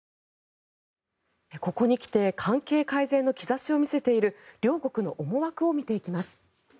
ここに来て関係改善の兆しを見せている両国の思惑を見ていきます。